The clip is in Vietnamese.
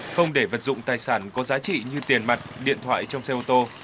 không để vật dụng tài sản có giá trị như tiền mặt điện thoại trong xe ô tô